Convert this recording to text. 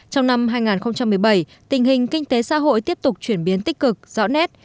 trong năm hai nghìn một mươi bảy tình hình kinh tế xã hội tiếp tục chuyển biến tích cực rõ nét